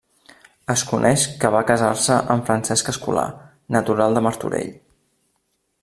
Es coneix que va casar-se amb Francesc Escolà, natural de Martorell.